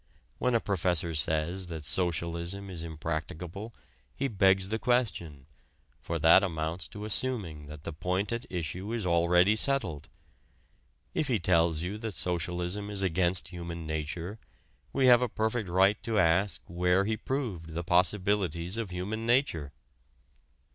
When a professor says that socialism is impracticable he begs the question, for that amounts to assuming that the point at issue is already settled. If he tells you that socialism is against human nature, we have a perfect right to ask where he proved the possibilities of human nature.